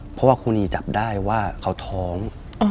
เพราะว่าครูนีจับได้ว่าเขาท้อง